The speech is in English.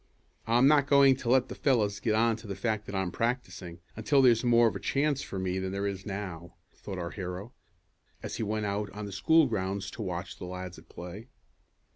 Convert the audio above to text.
"I'm not going to let the fellows get on to the fact that I'm practicing, until there's more of a chance for me than there is now," thought our hero, as he went out on the school grounds to watch the lads at play.